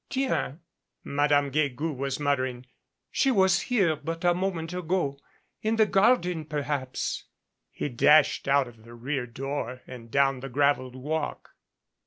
"Tiens!" Madame Guegou was muttering. "She was here but a moment ago. In the garden, perhaps " He dashed out of the rear door and down the graveled walk.